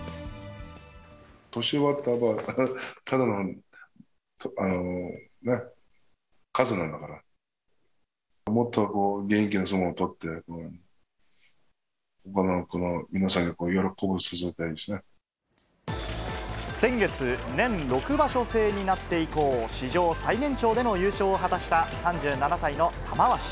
年はただのね、数なんだから、もっと元気な相撲を取って、先月、年６場所制になって以降、史上最年長での優勝を果たした３７歳の玉鷲。